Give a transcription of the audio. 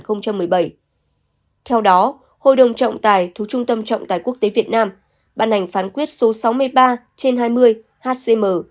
trung tâm trọng tài thu trung tâm trọng tài quốc tế việt nam bàn hành phán quyết số sáu mươi ba trên hai mươi hcm